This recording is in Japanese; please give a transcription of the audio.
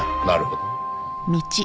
なるほど。